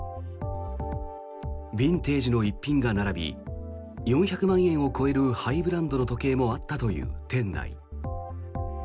ビンテージの逸品が並び４００万円を超えるハイブランドの時計もあったという店内。